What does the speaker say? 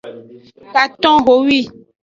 Katonhowi.